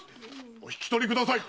お引き取りください！